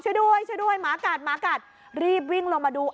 ช่วยด้วยหมากัดหมากัดรีบวิ่งลงมาดู